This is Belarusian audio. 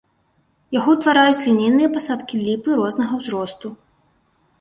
Яго ўтвараюць лінейныя пасадкі ліпы рознага ўзросту.